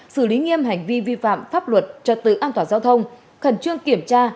xử lý nghiêm hành vi vi phạm pháp luật trật tự an toàn giao thông khẩn trương kiểm tra